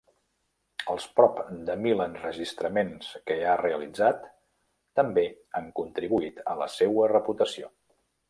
Els prop de mil enregistraments que ha realitzat també han contribuït a la seua reputació.